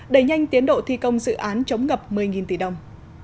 đẩy nhanh tiến độ thi công dự án chống ngập một mươi tỷ đồng